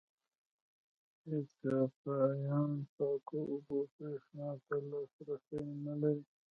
ایتوپیایان پاکو اوبو برېښنا ته لاسرسی نه لري.